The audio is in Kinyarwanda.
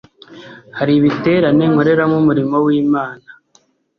hari ibiterane nkoreramo umurimo w’Imana